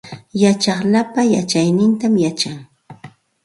Yachaq lapa yachaytam yachan